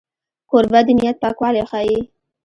کوربه د نیت پاکوالی ښيي.